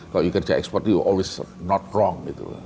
kalau you kerja export you always not wrong